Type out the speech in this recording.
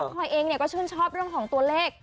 พลอยเองก็ชื่นชอบเรื่องของตัวเลข